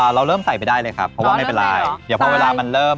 เราเริ่มใส่ไปได้เลยครับเพราะว่าไม่เป็นไรเดี๋ยวพอเวลามันเริ่ม